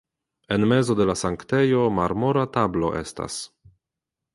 En mezo de la sanktejo marmora tablo estas.